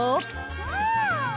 うん！